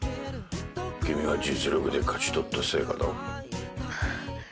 君が実力で勝ち取った成果だろ。